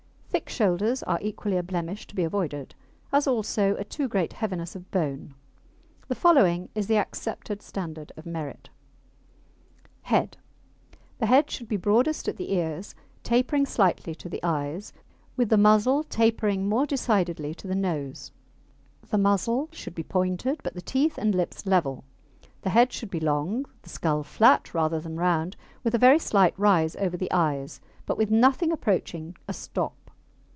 Thick shoulders are equally a blemish to be avoided, as also a too great heaviness of bone. The following is the accepted standard of merit. HEAD The head should be broadest at the ears, tapering slightly to the eyes, with the muzzle tapering more decidedly to the nose. The muzzle should be pointed, but the teeth and lips level. The head should be long, the skull flat rather than round, with a very slight rise over the eyes, but with nothing approaching a stop.